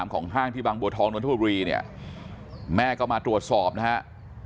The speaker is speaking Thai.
ของห้างที่บางบัวทองนนทบุรีเนี่ยแม่ก็มาตรวจสอบนะฮะ